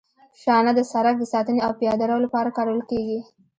شانه د سرک د ساتنې او پیاده رو لپاره کارول کیږي